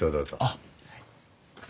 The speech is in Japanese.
あっ。